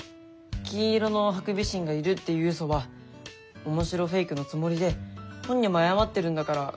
金色のハクビシンがいるっていうウソは面白フェイクのつもりで本人も謝ってるんだからいいんじゃないの？